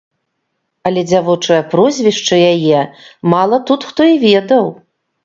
Але дзявочае прозвішча яе мала тут хто і ведаў.